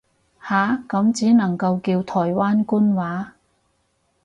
下，咁只能夠叫台灣官話